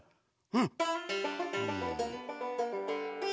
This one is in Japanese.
うん。